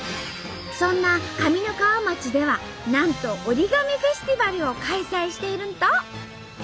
そんな上三川町ではなんとＯＲＩＧＡＭＩフェスティバルを開催しているんと！